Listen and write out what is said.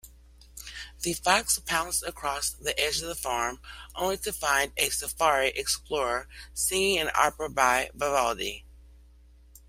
The fox pounced across the edge of the farm, only to find a safari explorer singing an opera by Vivaldi.